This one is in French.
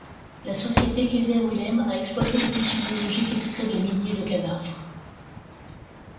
La Société Kaiser-Wilhelm a exploité les tissus biologiques extraits de milliers de cadavres.